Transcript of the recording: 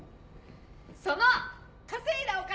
その稼いだお金を。